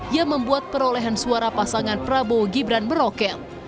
yang membuat perolehan suara pasangan prabowo gibran meroket